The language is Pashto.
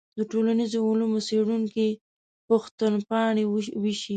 د ټولنیزو علومو څېړونکي پوښتنپاڼې ویشي.